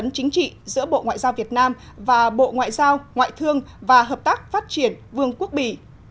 cơ chế tham vấn chính trị giữa bộ ngoại giao việt nam và bộ ngoại giao ngoại thương và hợp tác phát triển vương quốc bỉ